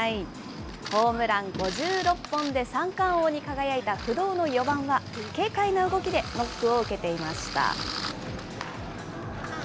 ホームラン５６本で三冠王に輝いた不動の４番は、軽快な動きでノックを受けていました。